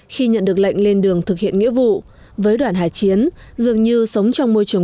khi nhận được lệnh lên đường thực hiện nghĩa vụ với đoàn hải chiến dường như sống trong môi trường